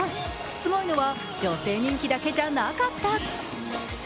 すごいのは女性人気だけじゃなかった。